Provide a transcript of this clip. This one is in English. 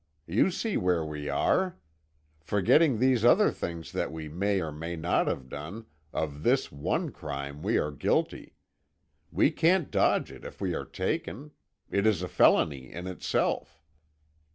You see where we are? Forgetting these other things that we may or may not have done, of this one crime we are guilty. We can't dodge it, if we are taken. It is a felony in itself."